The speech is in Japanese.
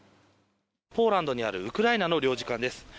ポーランドにあるウクライナの領事館です。